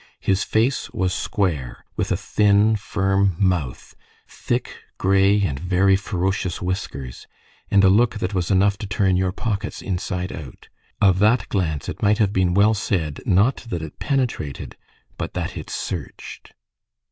His face was square, with a thin, firm mouth, thick, gray, and very ferocious whiskers, and a look that was enough to turn your pockets inside out. Of that glance it might have been well said, not that it penetrated, but that it searched.